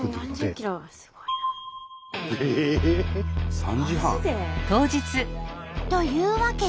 ３時半。というわけで。